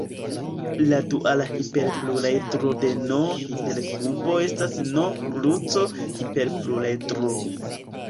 La duala hiperpluredro de "n"-hiperkubo estas "n"-kruco-hiperpluredro.